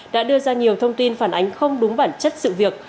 đã đưa ra nhiều thông tin phản ánh không đúng bản chất sự việc